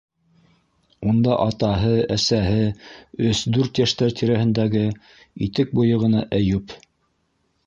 Унда - атаһы, әсәһе, өс- дүрт йәштәр тирәһендәге итек буйы ғына Әйүп.